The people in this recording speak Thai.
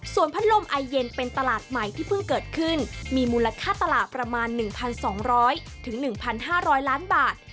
ส่วนพัดลมไอเย็นเป็นตลาดใหม่ที่เพิ่งเกิดขึ้นมีมูลค่าตลาดประมาณ๑๒๐๐๑๕๐๐ล้านบาท